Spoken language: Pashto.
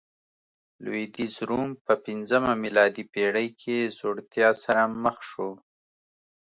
لوېدیځ روم په پنځمه میلادي پېړۍ کې ځوړتیا سره مخ شو